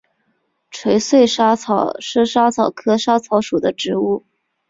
垂穗莎草是莎草科莎草属的植物。